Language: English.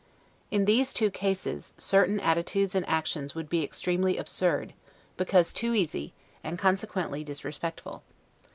In these two cases, certain attitudes and actions would be extremely absurd, because too easy, and consequently disrespectful.